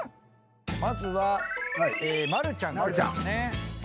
まずは丸ちゃんのやつですね。